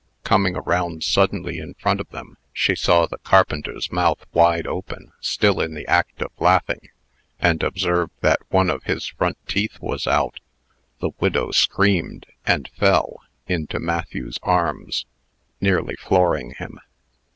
Coming around suddenly in front of them, she saw the carpenter's mouth wide open, still in the act of laughing, and observed that one of his front teeth was out. The widow screamed, and fell into Matthew's arms, nearly flooring him.